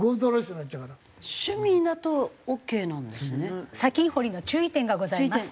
砂金掘りの注意点がございます。